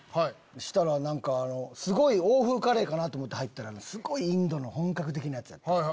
したらすごい欧風カレーかなと思って入ったらすごいインドの本格的なやつやったの。